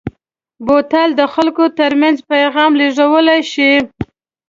بوتل د خلکو ترمنځ پیغام لېږدولی شي.